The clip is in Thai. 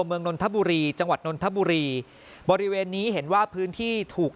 นนทบุรีจังหวัดนนทบุรีบริเวณนี้เห็นว่าพื้นที่ถูก